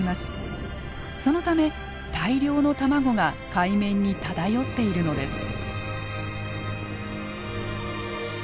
そのため大量の卵が海面に漂っているのです。